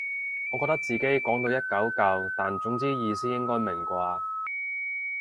我覺得自己講到一嚿嚿但總之意思應該明啩